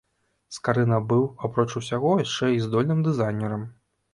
Скарына быў, апроч усяго, яшчэ і здольным дызайнерам.